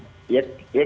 ya kita pasti mau